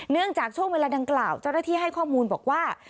จากช่วงเวลาดังกล่าวเจ้าหน้าที่ให้ข้อมูลบอกว่า